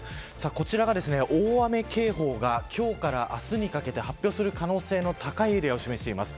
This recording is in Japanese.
こちらが、大雨警報が今日から明日にかけて発表される可能性が高いエリアを示してます。